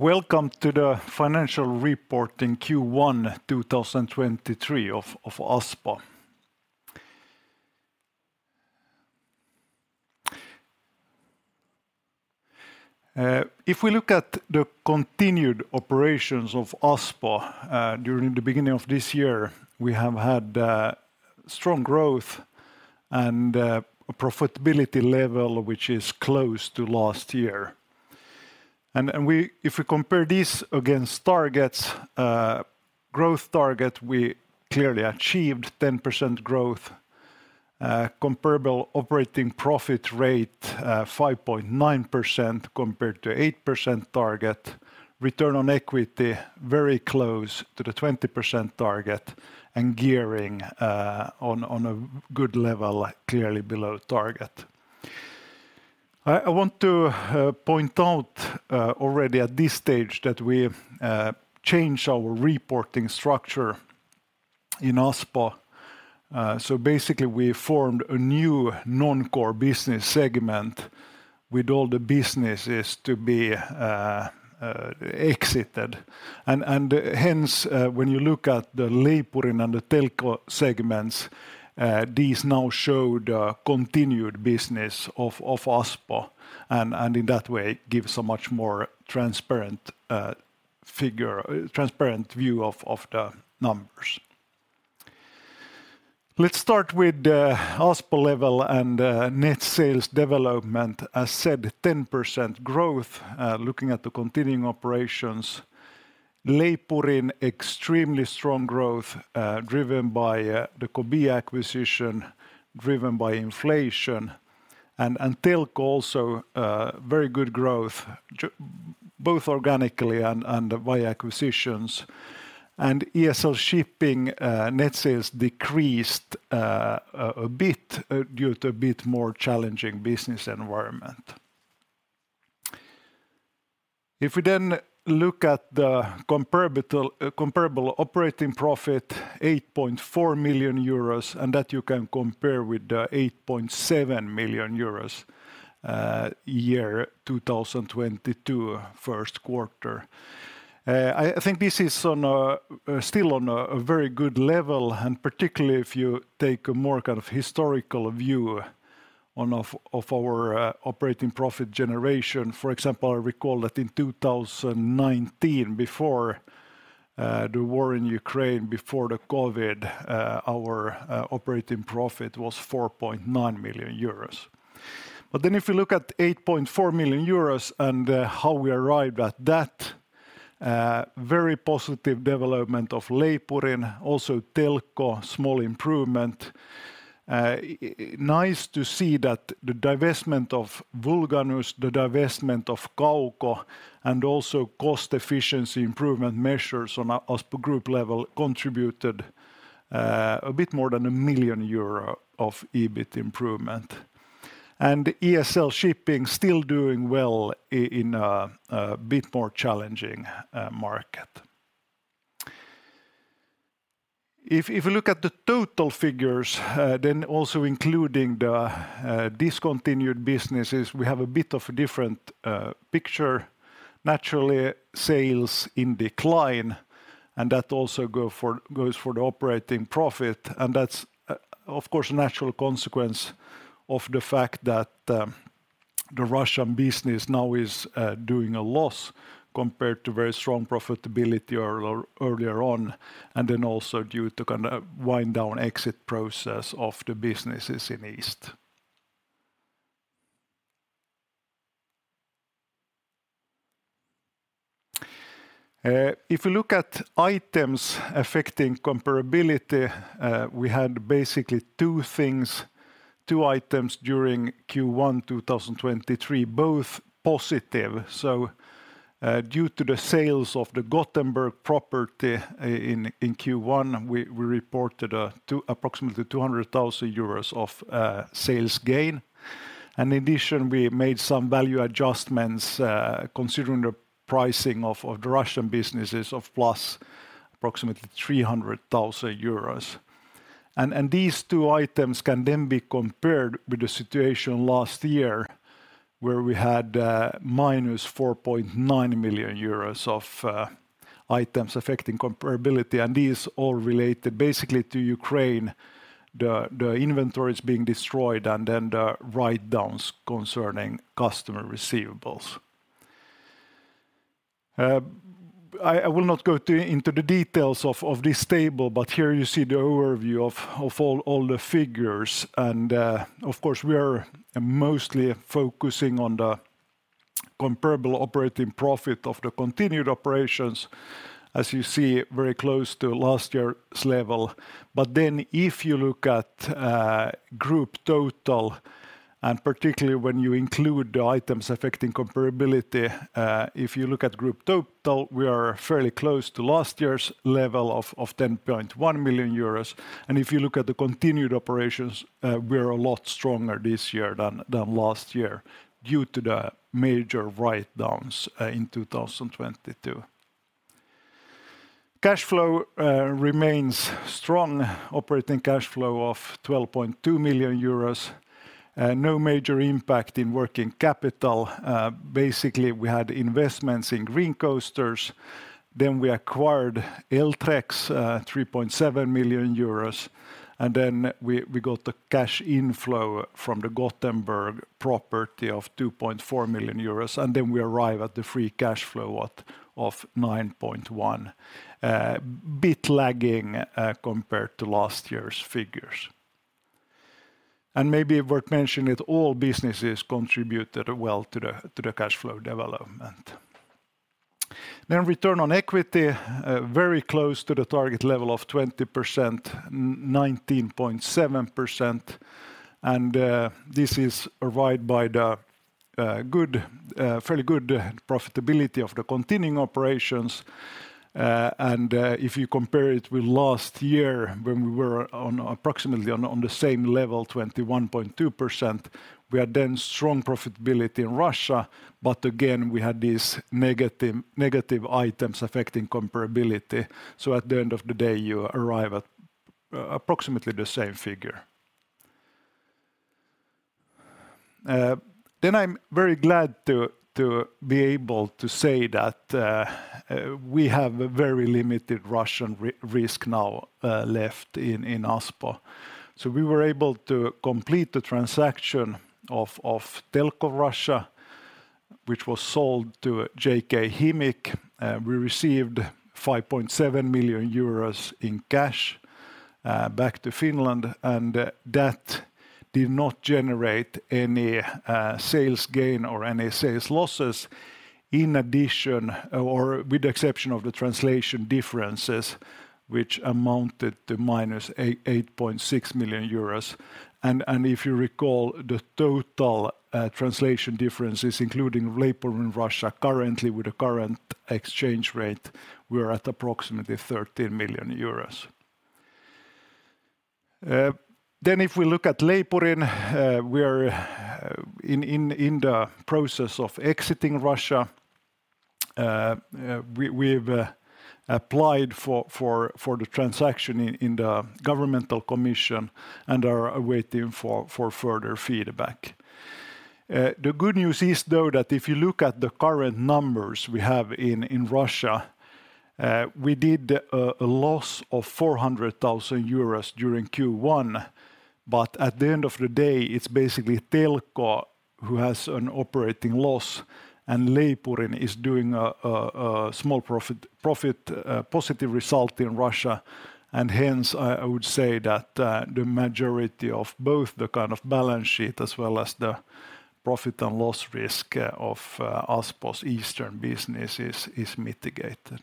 Welcome to the financial reporting Q1 2023 of Aspo. If we look at the continued operations of Aspo, during the beginning of this year, we have had strong growth and profitability level, which is close to last year. If we compare this against targets, growth target, we clearly achieved 10% growth. Comparable operating profit rate, 5.9% compared to 8% target. Return on equity, very close to the 20% target, and gearing on a good level, clearly below target. I want to point out already at this stage that we changed our reporting structure in Aspo. Basically we formed a new non-core business segment with all the businesses to be exited. Hence, when you look at the Leipurin and the Telko segments, these now show the continued business of Aspo and in that way gives a much more transparent view of the numbers. Let's start with the Aspo level and net sales development. As said, 10% growth, looking at the continuing operations. Leipurin, extremely strong growth, driven by the Kobia acquisition, driven by inflation. Telko also, very good growth both organically and via acquisitions. ESL Shipping, net sales decreased a bit, due to a bit more challenging business environment. If we then look at the comparable operating profit, 8.4 million euros, and that you can compare with the 8.7 million euros, year 2022 first quarter. I think this is on a still on a very good level and particularly if you take a more kind of historical view on our operating profit generation. For example, I recall that in 2019, before the war in Ukraine, before the COVID, our operating profit was 4.9 million euros. If you look at 8.4 million euros and how we arrived at that, very positive development of Leipurin, also Telko, small improvement. Nice to see that the divestment of Vulganus, the divestment of Kauko, and also cost efficiency improvement measures on a Aspo group level contributed a bit more than 1 million euro of EBIT improvement. ESL Shipping still doing well in a bit more challenging market. If you look at the total figures, then also including the discontinued businesses, we have a bit of a different picture. Naturally, sales in decline, and that also goes for the operating profit. That's of course, a natural consequence of the fact that the Russian business now is doing a loss compared to very strong profitability earlier on, and then also due to kind of wind down exit process of the businesses in East. If you look at items affecting comparability, we had basically two things, two items during Q1 2023, both positive. Due to the sales of the Gothenburg property in Q1, we reported approximately 200,000 euros of sales gain. In addition, we made some value adjustments, considering the pricing of the Russian businesses of plus approximately 300,000 euros. These two items can then be compared with the situation last year, where we had -4.9 million euros of items affecting comparability, and these all related basically to Ukraine, the inventories being destroyed and then the write-downs concerning customer receivables. I will not go into the details of this table, but here you see the overview of all the figures. Of course, we are mostly focusing on the comparable operating profit of the continued operations. As you see, very close to last year's level. If you look at group total, and particularly when you include the items affecting comparability, if you look at group total, we are fairly close to last year's level of 10.1 million euros. If you look at the continued operations, we are a lot stronger this year than last year due to the major write-downs in 2022. Cash flow remains strong. Operating cash flow of 12.2 million euros. No major impact in working capital. Basically, we had investments in Green Coasters, then we acquired Eltrex, EUR 3.7 million, and then we got the cash inflow from the Gothenburg property of 2.4 million euros, and then we arrive at the free cash flow of 9.1. Bit lagging compared to last year's figures. Maybe worth mentioning that all businesses contributed well to the cash flow development. Return on equity, very close to the target level of 20%, 19.7%. This is arrived by the good, fairly good profitability of the continuing operations. If you compare it with last year when we were on approximately on the same level, 21.2%, we had then strong profitability in Russia, but again, we had these negative items affecting comparability. At the end of the day, you arrive at approximately the same figure. I'm very glad to be able to say that we have a very limited Russian risk now left in Aspo. We were able to complete the transaction of Telko Russia, which was sold to GK Himik. We received 5.7 million euros in cash back to Finland, and that did not generate any sales gain or any sales losses. With the exception of the translation differences, which amounted to minus 8.6 million euros. If you recall, the total translation differences, including Leipurin Russia currently with the current exchange rate, we're at approximately 30 million euros. If we look at Leipurin, we're in the process of exiting Russia. We've applied for the transaction in the governmental commission and are awaiting for further feedback. The good news is, though, that if you look at the current numbers we have in Russia, we did a loss of 400,000 euros during Q1, but at the end of the day, it's basically Telko who has an operating loss and Leipurin is doing a small profit positive result in Russia. Hence, I would say that the majority of both the kind of balance sheet as well as the profit and loss risk of Aspo's Eastern business is mitigated.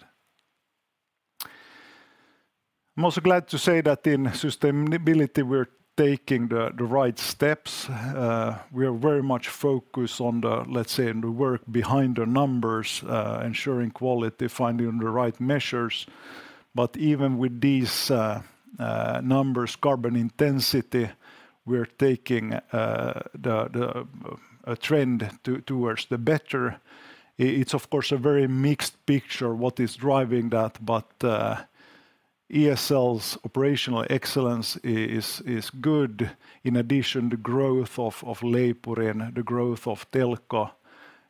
I'm also glad to say that in sustainability, we're taking the right steps. We are very much focused on the, let's say, the work behind the numbers, ensuring quality, finding the right measures. Even with these numbers, carbon intensity, we're taking the... a trend towards the better. It's of course a very mixed picture what is driving that, but ESL's operational excellence is good. In addition, the growth of Leipurin, the growth of Telko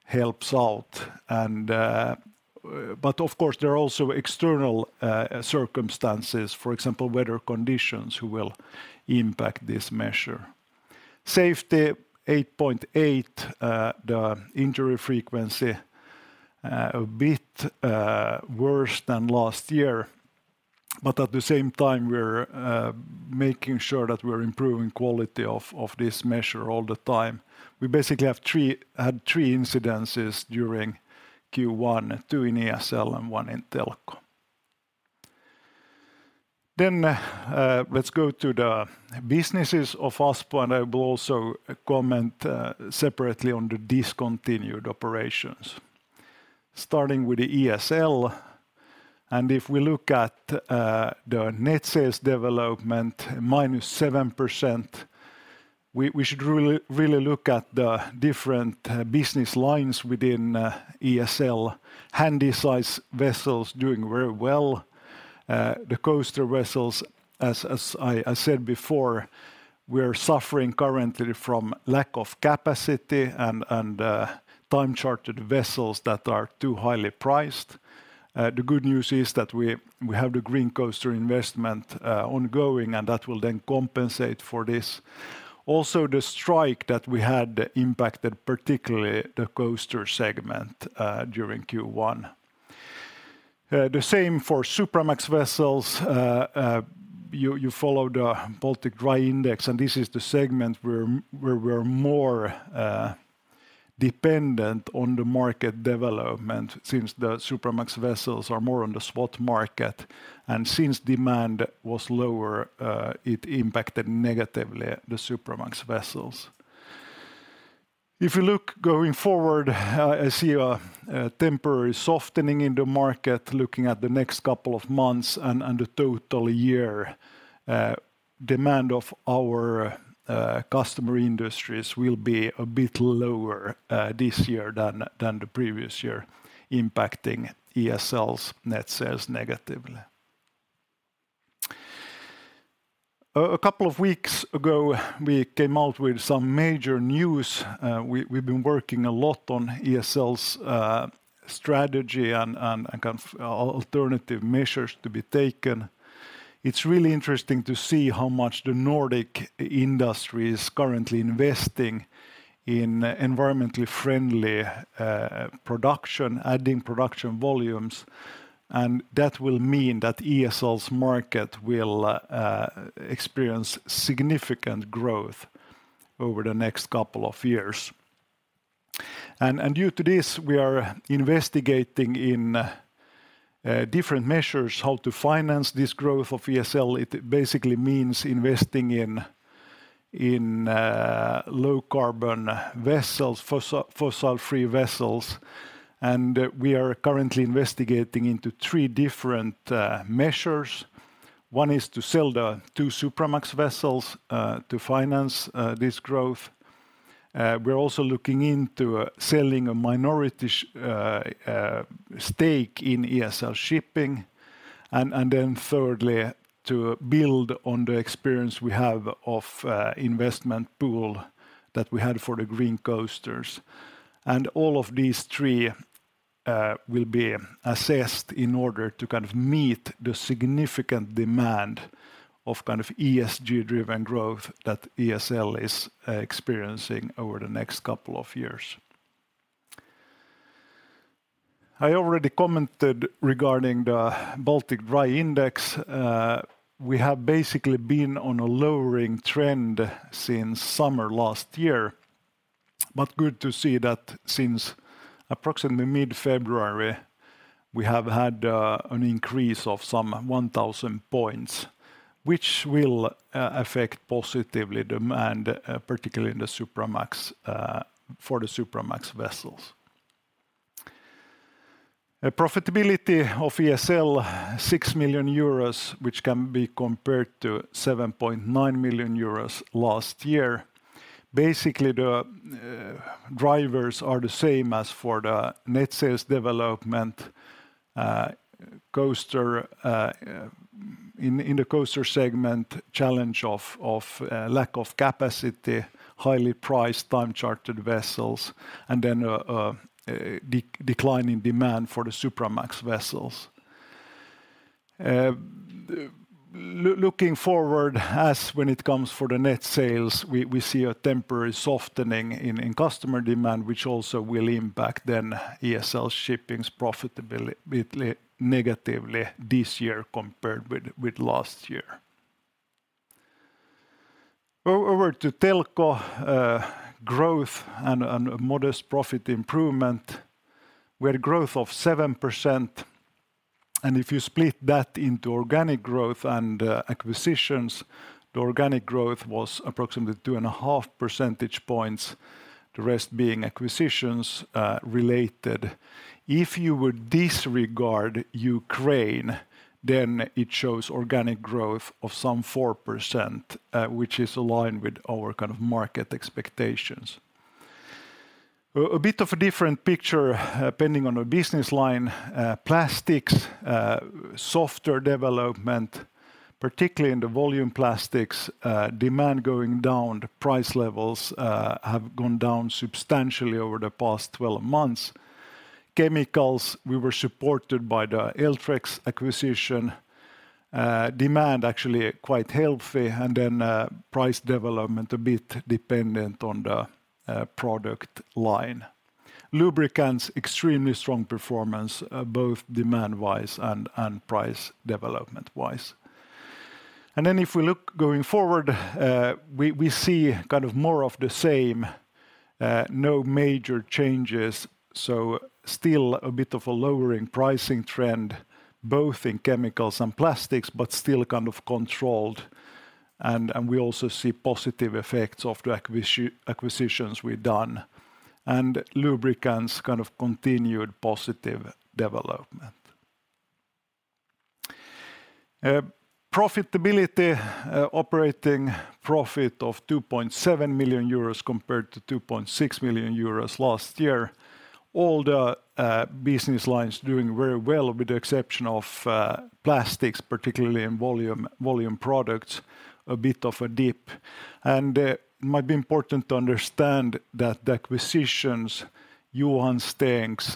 helps out. But of course there are also external circumstances, for example, weather conditions who will impact this measure. Safety, eight point eight, the injury frequency a bit worse than last year. At the same time, we're making sure that we're improving quality of this measure all the time. We basically had three incidences during Q1, two in ESL and one in Telko. Let's go to the businesses of Aspo, and I will also comment separately on the discontinued operations. Starting with the ESL, if we look at the net sales development, -7%, we should really look at the different business lines within ESL. Handysize vessels doing very well. The coaster vessels, as I said before, we're suffering currently from lack of capacity and time chartered vessels that are too highly priced. The good news is that we have the Green Coaster investment ongoing, and that will then compensate for this. Also, the strike that we had impacted particularly the coaster segment during Q1. The same for Supramax vessels. You follow the Baltic Dry Index, and this is the segment we're more dependent on the market development since the Supramax vessels are more on the spot market. Since demand was lower, it impacted negatively the Supramax vessels. If you look going forward, I see a temporary softening in the market looking at the next couple of months and the total year. Demand of our customer industries will be a bit lower this year than the previous year, impacting ESL's net sales negatively. A couple of weeks ago, we came out with some major news. We've been working a lot on ESL's strategy and kind of alternative measures to be taken. It's really interesting to see how much the Nordic industry is currently investing in environmentally friendly production, adding production volumes, and that will mean that ESL's market will experience significant growth over the next couple of years. Due to this, we are investigating in different measures how to finance this growth of ESL. It basically means investing in low carbon vessels, fossil free vessels. We are currently investigating into three different measures. One is to sell the two Supramax vessels to finance this growth. We're also looking into selling a minority stake in ESL Shipping. Then thirdly, to build on the experience we have of investment pool that we had for the Green Coasters. All of these three will be assessed in order to kind of meet the significant demand of kind of ESG-driven growth that ESL is experiencing over the next couple of years. I already commented regarding the Baltic Dry Index. We have basically been on a lowering trend since summer last year, but good to see that since approximately mid-February, we have had an increase of some 1,000 points, which will affect positively demand particularly in the Supramax for the Supramax vessels. A profitability of ESL, 6 million euros, which can be compared to 7.9 million euros last year. Basically, the drivers are the same as for the net sales development, coaster, in the coaster segment, challenge of lack of capacity, highly priced time-chartered vessels, and then a declining demand for the Supramax vessels. Looking forward, as when it comes for the net sales, we see a temporary softening in customer demand, which also will impact then ESL Shipping's profitability negatively this year compared with last year. Over to Telko, growth and modest profit improvement. We had growth of 7%, and if you split that into organic growth and acquisitions, the organic growth was approximately two point five percentage points, the rest being acquisitions related. If you would disregard Ukraine, then it shows organic growth of some 4%, which is aligned with our kind of market expectations. A bit of a different picture depending on the business line. Plastics, softer development, particularly in the volume plastics, demand going down. The price levels have gone down substantially over the past 12 months. Chemicals, we were supported by the Eltrex acquisition. Demand actually quite healthy, and then price development a bit dependent on the product line. Lubricants, extremely strong performance, both demand-wise and price development-wise. If we look going forward, we see kind of more of the same, no major changes, so still a bit of a lowering pricing trend, both in chemicals and plastics, but still kind of controlled. We also see positive effects of the acquisitions we've done. Lubricants kind of continued positive development. Profitability, operating profit of 2.7 million euros compared to 2.6 million euros last year. All the business lines doing very well, with the exception of plastics, particularly in volume products, a bit of a dip. It might be important to understand that the acquisitions, Johan Stengs,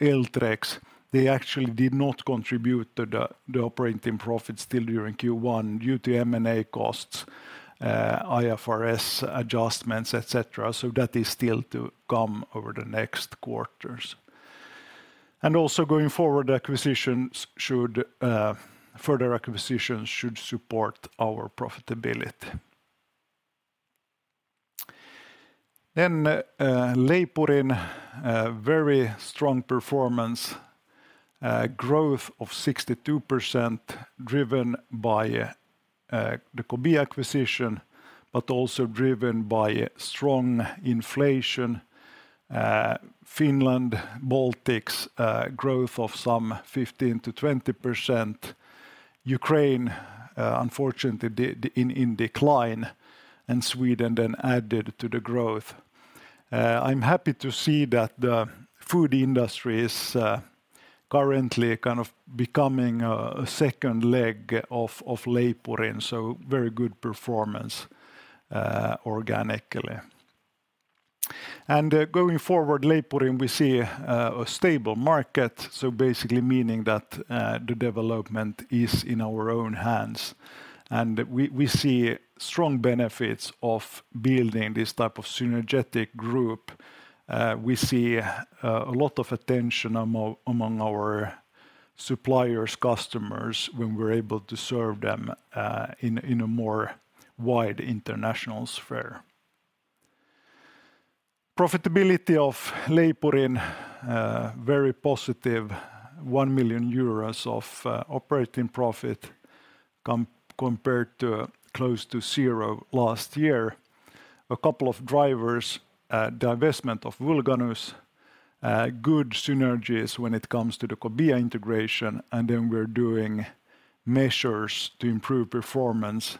Eltrex, they actually did not contribute to the operating profits still during Q1 due to M&A costs, IFRS adjustments, et cetera, so that is still to come over the next quarters. Also going forward, acquisitions should further acquisitions should support our profitability. Leipurin, very strong performance, growth of 62% driven by the Kobia acquisition. Also driven by strong inflation. Finland, Baltics, growth of some 15%-20%. Ukraine, unfortunately in decline, and Sweden then added to the growth. I'm happy to see that the food industry is currently kind of becoming a second leg of Leipurin, so very good performance organically. Going forward, Leipurin, we see a stable market, so basically meaning that the development is in our own hands. We see strong benefits of building this type of synergetic group. We see a lot of attention among our suppliers, customers when we're able to serve them in a more wide international sphere. Profitability of Leipurin, very positive. 1 million euros of operating profit compared to close to zero last year. A couple of drivers, divestment of Vulganus, good synergies when it comes to the Kobia integration, we're doing measures to improve performance,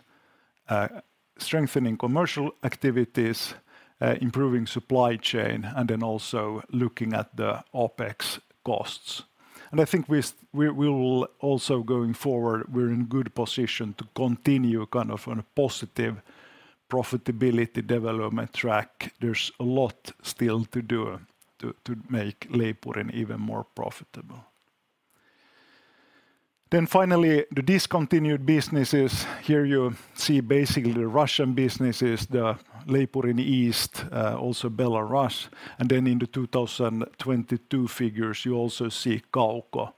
strengthening commercial activities, improving supply chain, also looking at the OPEX costs. I think we will also going forward, we're in good position to continue kind of on a positive profitability development track. There's a lot still to do to make Leipurin even more profitable. Finally, the discontinued businesses. Here you see basically the Russian businesses, the Leipurin East, also Belarus. In the 2022 figures, you also see Kauko.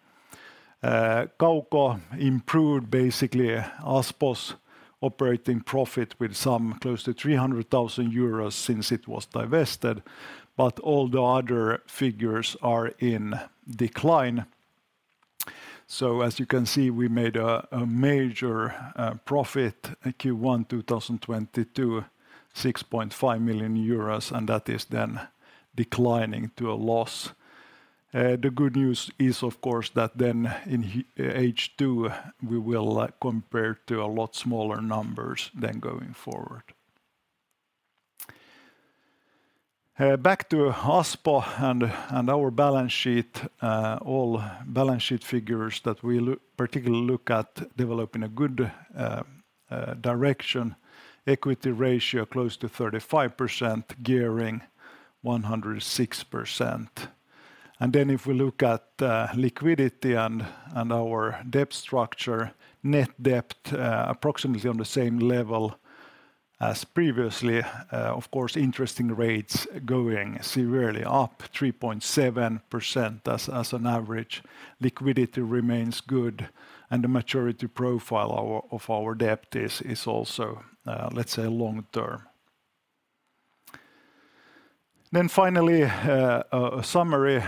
Kauko improved basically Aspo's operating profit with some close to 300,000 euros since it was divested, but all the other figures are in decline. As you can see, we made a major profit Q1 2022, 6.5 million euros, and that is then declining to a loss. The good news is, of course, that then in H2 we will compare to a lot smaller numbers then going forward. Back to Aspo and our balance sheet, all balance sheet figures that we particularly look at develop in a good direction. Equity ratio close to 35%, gearing 106%. Then if we look at liquidity and our debt structure, net debt approximately on the same level as previously. Of course, interesting rates going severely up, 3.7% as an average. Liquidity remains good, the maturity profile of our debt is also, let's say long-term. Finally, a summary.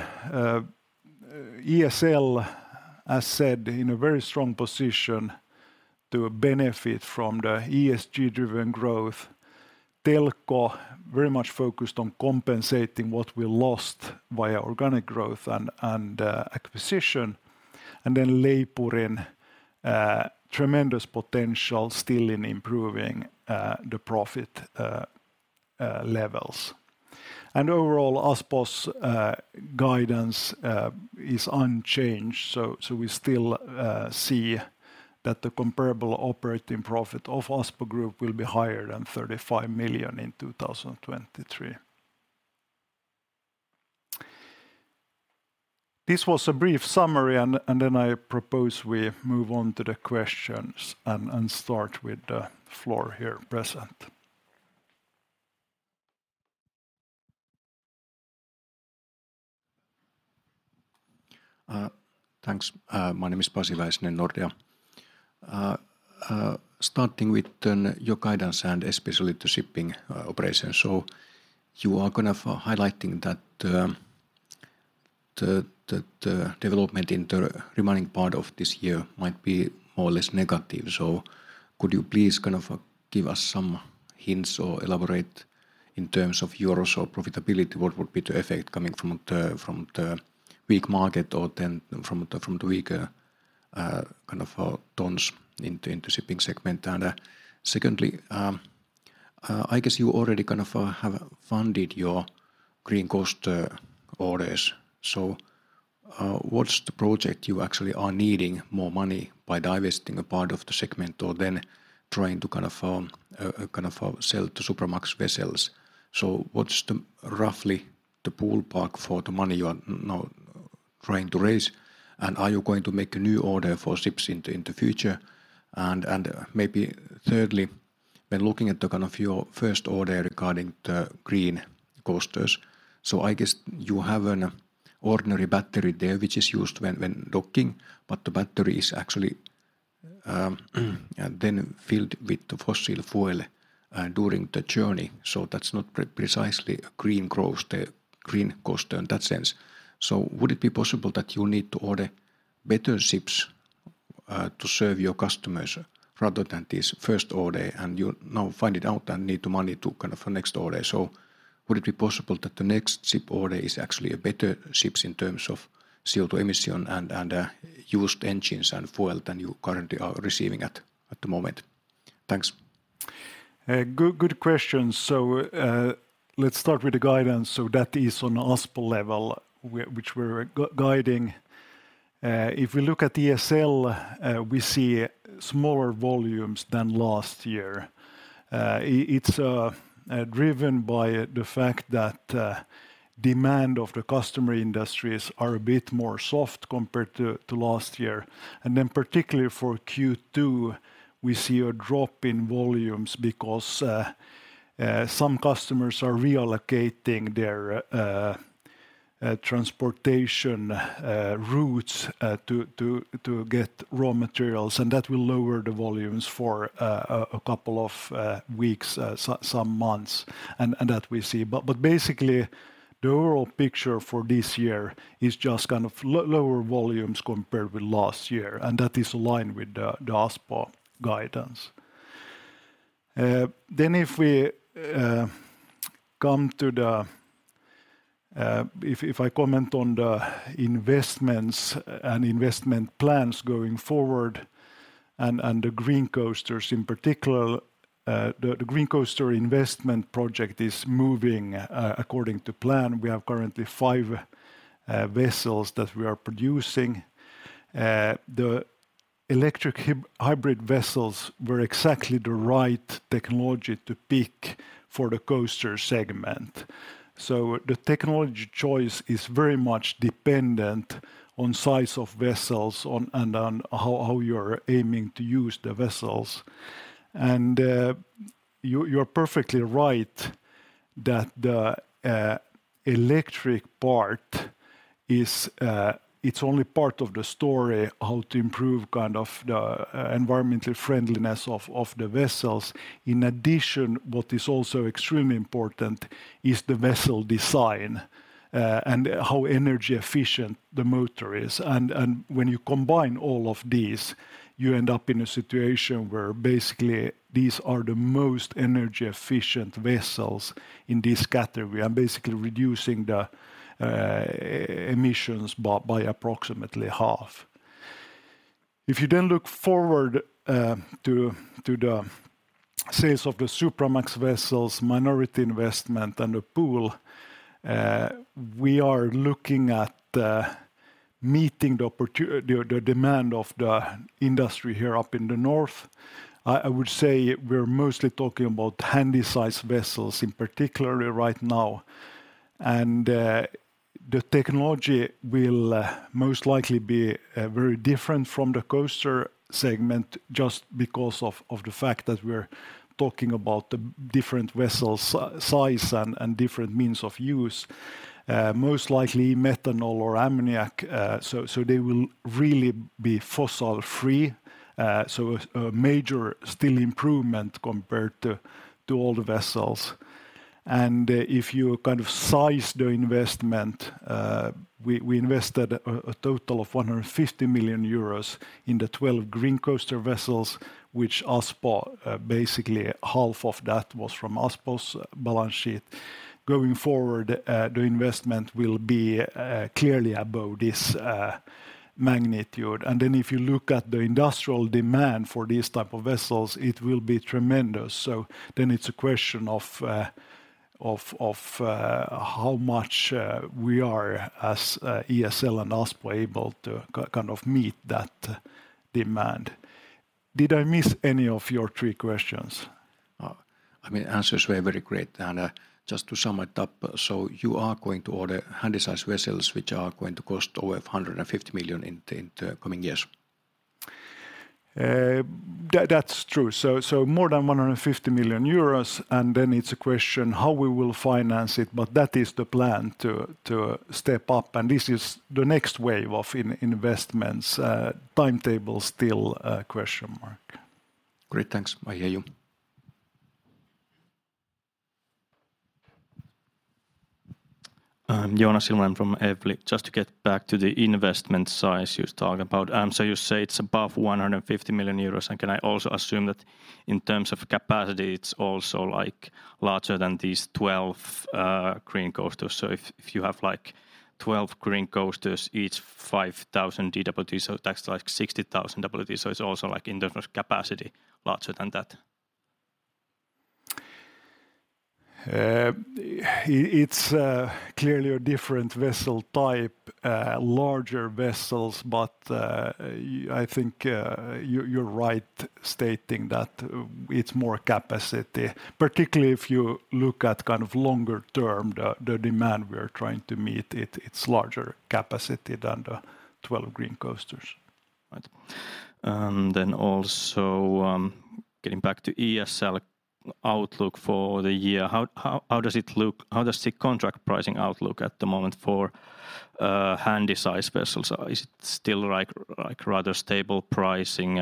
ESL, as said, in a very strong position to benefit from the ESG-driven growth. Telko very much focused on compensating what we lost via organic growth and acquisition. Leipurin, tremendous potential still in improving the profit levels. Overall, Aspo's guidance is unchanged, we still see that the comparable operating profit of Aspo group will be higher than 35 million in 2023. This was a brief summary, then I propose we move on to the questions and start with the floor here present. Thanks. My name is Pasi Väisänen, Nordea. Starting with then your guidance and especially the shipping operation. You are kind of highlighting that the, the development in the remaining part of this year might be more or less negative. Could you please kind of give us some hints or elaborate in terms of euros or profitability, what would be the effect coming from the, from the weak market or then from the, from the weaker, kind of, tons in the, in the shipping segment? Secondly, I guess you already kind of have funded your Green Coaster orders. What's the project you actually are needing more money by divesting a part of the segment or then trying to kind of, kind of sell the Supramax vessels? What's the roughly the ballpark for the money you are now trying to raise? Are you going to make a new order for ships in the future? Maybe thirdly, when looking at the kind of your first order regarding the Green Coasters, I guess you have an ordinary battery there, which is used when docking, but the battery is actually then filled with the fossil fuel during the journey. That's not precisely a Green Coaster in that sense. Would it be possible that you need to order better ships to serve your customers rather than this first order, and you now find it out and need the money to kind of for next order. Would it be possible that the next ship order is actually a better ships in terms of CO2 emission and used engines and fuel than you currently are receiving at the moment? Thanks. Good question. Let's start with the guidance, so that is on Aspo level which we're guiding. If we look at ESL, we see smaller volumes than last year. It's driven by the fact that demand of the customer industries are a bit more soft compared to last year. Particularly for Q2, we see a drop in volumes because some customers are reallocating their transportation routes to get raw materials, and that will lower the volumes for a couple of weeks, some months, and that we see. Basically, the overall picture for this year is just kind of lower volumes compared with last year, and that is aligned with the Aspo guidance. If we come to the... If I comment on the investments and investment plans going forward and the Green Coasters in particular, the Green Coaster investment project is moving according to plan. We have currently five vessels that we are producing. The electric hybrid vessels were exactly the right technology to pick for the coaster segment, so the technology choice is very much dependent on size of vessels on and on how you're aiming to use the vessels. You're perfectly right that the electric part is it's only part of the story how to improve kind of the environmental friendliness of the vessels. In addition, what is also extremely important is the vessel design and how energy efficient the motor is. When you combine all of these, you end up in a situation where basically these are the most energy efficient vessels in this category, and basically reducing the emissions by approximately half. If you look forward to the sales of the Supramax vessels, minority investment, and the pool, we are looking at meeting the demand of the industry here up in the north. I would say we're mostly talking about Handysize vessels in particularly right now. The technology will most likely be very different from the coaster segment just because of the fact that we're talking about the different vessels size and different means of use. Most likely methanol or ammonia, so they will really be fossil-free, so a major still improvement compared to older vessels. If you kind of size the investment, we invested a total of 150 million euros in the 12 Green Coaster vessels which Aspo basically half of that was from Aspo's balance sheet. Going forward, the investment will be clearly above this magnitude. If you look at the industrial demand for these type of vessels, it will be tremendous, so then it's a question of how much we are as ESL and Aspo able to kind of meet that demand. Did I miss any of your three questions? I mean, answers were very great. Just to sum it up, you are going to order Handysize vessels which are going to cost over 150 million in the coming years. That, that's true. More than 150 million euros, and then it's a question how we will finance it, but that is the plan to step up, and this is the next wave of investments. Timetable still a question mark. Great. Thanks. I hear you. I'm Joonas Ilvonen from Evli. Just to get back to the investment size you talk about. You say it's above 150 million euros, can I also assume that in terms of capacity, it's also, like, larger than these 12 Green Coasters? If you have, like, 12 Green Coasters, each 5,000 DWT, that's like 60,000 DWT, it's also like in terms of capacity larger than that. It's clearly a different vessel type, larger vessels, but I think you're right stating that it's more capacity. Particularly if you look at kind of longer term, the demand we are trying to meet, it's larger capacity than the 12 Green Coasters. Right. Getting back to ESL outlook for the year, how does it look? How does the contract pricing outlook at the moment for Handysize vessels? Is it still like rather stable pricing,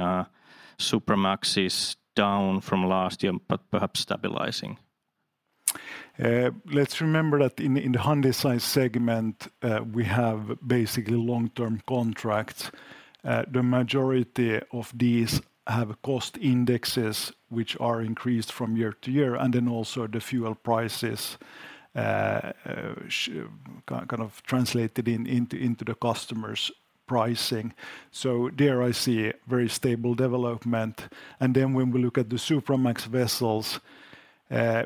Supramax is down from last year, but perhaps stabilizing? Let's remember that in the Handysize segment, we have basically long-term contracts. The majority of these have cost indexes which are increased from year to year, and then also the fuel prices, kind of translated into the customer's pricing. There I see very stable development. When we look at the Supramax vessels,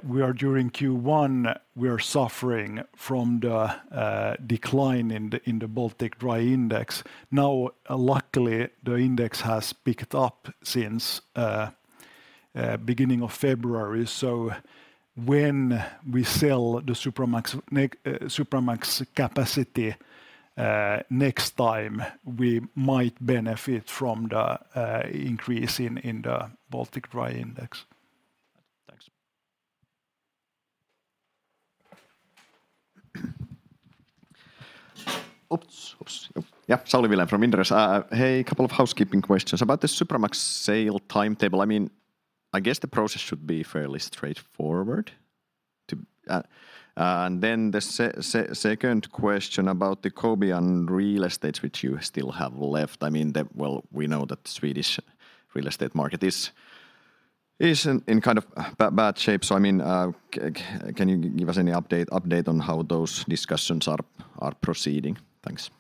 we are during Q1, we are suffering from the decline in the Baltic Dry Index. Now, luckily, the index has picked up since beginning of February. When we sell the Supramax capacity next time, we might benefit from the increase in the Baltic Dry Index. Thanks. Oops. Oops. Yep. Yeah, Kasper Mellas from Inderes. Hey, a couple of housekeeping questions. About the Supramax sale timetable, I mean, I guess the process should be fairly straightforward to. The second question about the Kobia real estates which you still have left. I mean, well, we know that Swedish real estate market is in kind of bad shape. I mean, can you give us any update on how those discussions are proceeding? Thanks.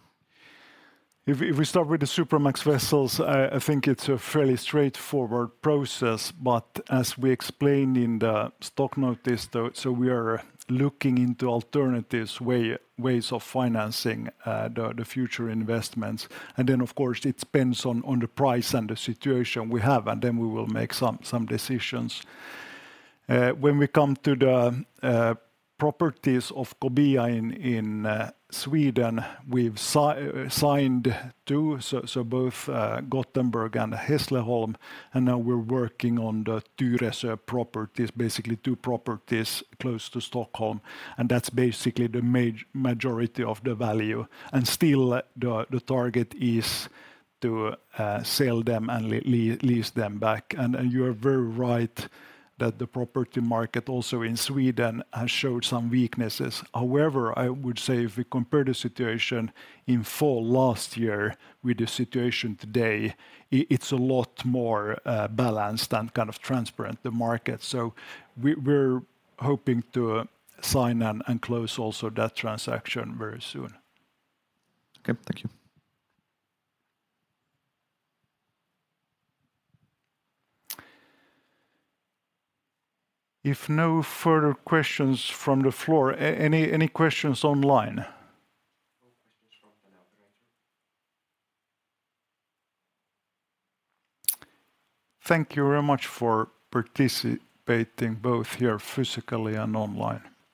If we start with the Supramax vessels, I think it's a fairly straightforward process, but as we explained in the stock notice, so we are looking into alternatives ways of financing the future investments. Then of course it depends on the price and the situation we have, and then we will make some decisions. When we come to the properties of Kobia in Sweden, we've signed two, so both Gothenburg and Hässleholm, and now we're working on the Tyresö properties, basically two properties close to Stockholm, and that's basically the majority of the value. Still, the target is to sell them and lease them back. You are very right that the property market also in Sweden has showed some weaknesses. However, I would say if we compare the situation in fall last year with the situation today, it's a lot more balanced and kind of transparent, the market. We're hoping to sign and close also that transaction very soon. Okay. Thank you. If no further questions from the floor, any questions online? No questions from the operator. Thank you very much for participating both here physically and online.